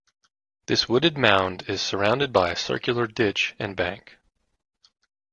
This wooded mound is surrounded by a circular ditch and bank.